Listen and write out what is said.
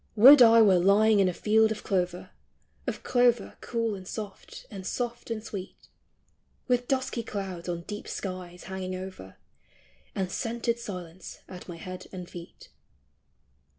Would I were lying in a field of clover, Of clover cool and soft, and soft and sweet, With dusky clouds on deep skies hanging over, And scented silence at my head and feet.